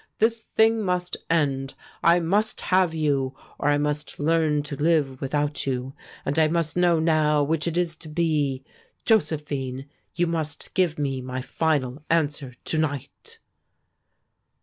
This thing must end. I must have you, or I must learn to live without you, and I must know now which it is to be. Josephine, you must give me my final answer to night."